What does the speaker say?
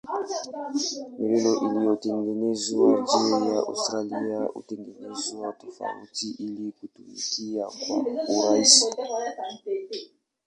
Milo iliyotengenezwa nje ya Australia hutengenezwa tofauti ili kutumika kwa urahisi.